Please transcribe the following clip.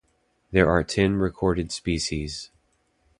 There are ten recorded species.